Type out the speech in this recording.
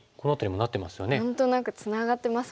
何となくツナがってますもんね。